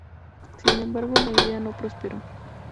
Sin embargo la idea no prosperó.